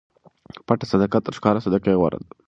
پټه صدقه تر ښکاره صدقې غوره ده.